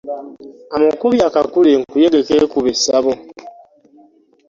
Amukubye akakule enkuyege kekuba essabo .